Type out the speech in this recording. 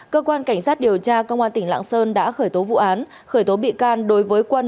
cơ quan cảnh sát điều tra công an tỉnh lạng sơn đã khởi tố vụ án khởi tố bị can đối với quân